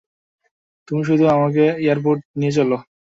তুমি শুধু আমাকে এয়ারপোর্টে নিয়ে চলো, যাতে আমার গাড়িটা আমি নিতে পারি।